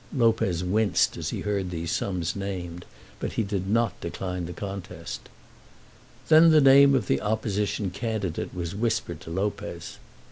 Lopez winced as he heard these sums named, but he did not decline the contest. Then the name of the opposition candidate was whispered to Lopez.